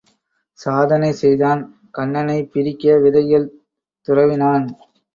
சாதனை செய்தான் கன்னனைப் பிரிக்க விதைகள் துரவினான்.